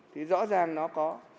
thì rõ ràng nó có